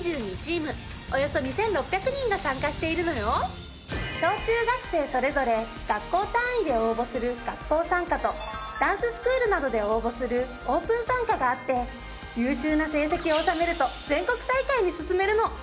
今年は小・中学生それぞれ学校単位で応募する学校参加とダンススクールなどで応募するオープン参加があって優秀な成績を収めると全国大会に進めるの！